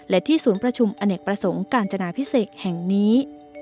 และที่ศูนย์ประชุมอเนกประสงค์กาญจนาพิเศษแห่งนี้